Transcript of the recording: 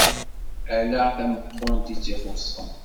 Ala tameqqunt i t-ixuṣṣen.